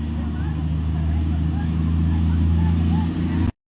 โปรดติดตามตอนต่อไป